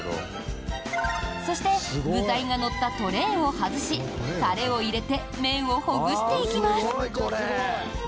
そして具材が乗ったトレーを外しタレを入れて麺をほぐしていきます。